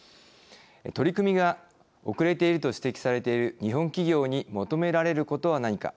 取り組みが遅れていると指摘されている日本企業に求められることは何か。